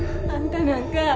あんたなんか